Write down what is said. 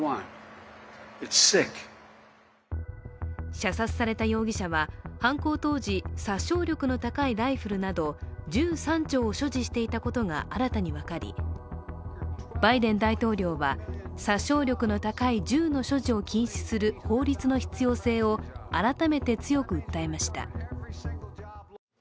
射殺された容疑者は犯行当時、殺傷力の高いライフルなど銃３丁を所持していたことが新たに分かり、バイデン大統領は、殺傷力の高い銃の所持を禁止する法律の必要性を改めて強く訴えました。